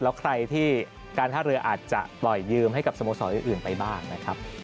แล้วใครที่การท่าเรืออาจจะปล่อยยืมให้กับสโมสรอื่นไปบ้างนะครับ